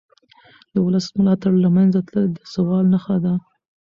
د ولس ملاتړ له منځه تلل د زوال نښه ده